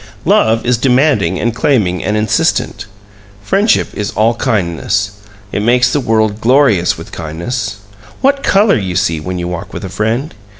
Love is demanding and claiming and insistent. Friendship is all kindness it makes the world glorious with kindness. What color you see when you walk with a friend!